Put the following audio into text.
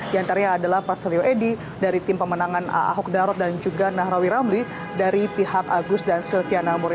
di antaranya adalah praselio edy dari tim pemenangan ahok darot dan juga nahrawi ramli dari pihak agus dan silviana murni